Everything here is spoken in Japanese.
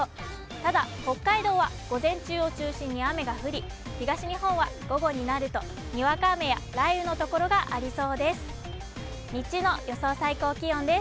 ただ北海道は午前中を中心に雨が降り、東日本は午後になると、にわか雨や雷雨の所がありそうです。